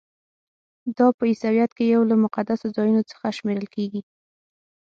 دا په عیسویت کې یو له مقدسو ځایونو څخه شمیرل کیږي.